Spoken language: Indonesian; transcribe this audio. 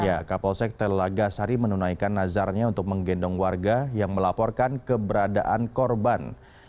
ya kapolsek telaga sari menunaikan nazarnya untuk menggendong warga yang melaporkan keberadaan korban